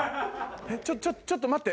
えっちょっちょっと待って。